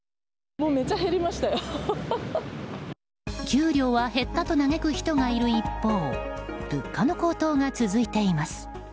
給料は減ったと嘆く人がいる一方物価の高騰が続いています。